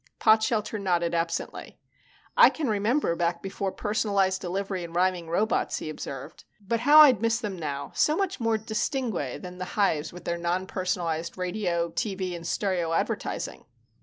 Potshelter nodded absently. "I can remember back before personalized delivery and rhyming robots," he observed. "But how I'd miss them now so much more distingué than the hives with their non personalized radio, TV and stereo advertising.